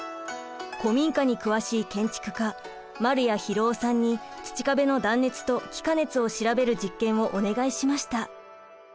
古民家に詳しい建築家丸谷博男さんに土壁の断熱と気化熱を調べる実験をお願いしました。